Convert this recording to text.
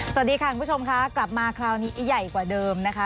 สวัสดีค่ะคุณผู้ชมค่ะกลับมาคราวนี้ใหญ่กว่าเดิมนะคะ